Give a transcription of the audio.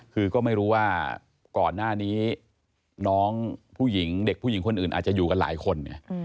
คือก็ไม่รู้ว่าก่อนหน้านี้น้องผู้หญิงเด็กผู้หญิงคนอื่นอาจจะอยู่กันหลายคน